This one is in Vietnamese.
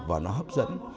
và nó hấp dẫn